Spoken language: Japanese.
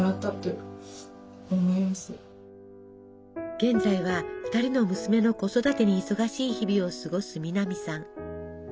現在は２人の娘の子育てに忙しい日々を過ごす南さん。